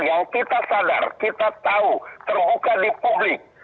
yang kita sadar kita tahu terbuka di publik